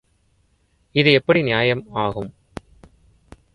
இது எப்படி நியாயம் ஆகும்?